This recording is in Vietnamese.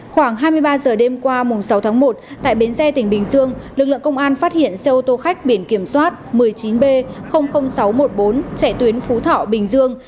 khoảng hai mươi ba h đêm qua sáu tháng một tại bến xe tỉnh bình dương lực lượng công an phát hiện xe ô tô khách biển kiểm soát một mươi chín b sáu trăm một mươi bốn chạy tuyến phú thọ bình dương